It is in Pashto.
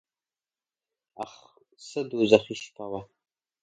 اخ څه دوږخي شپه وه .